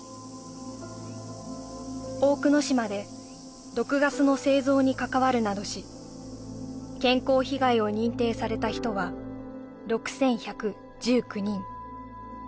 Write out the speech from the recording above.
大久野島で毒ガスの製造に関わるなどし健康被害を認定された人は６１１９人